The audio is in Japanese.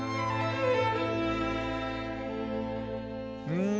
うん。